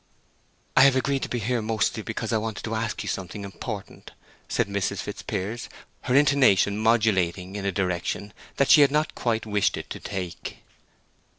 "I have agreed to be here mostly because I wanted to ask you something important," said Mrs. Fitzpiers, her intonation modulating in a direction that she had not quite wished it to take.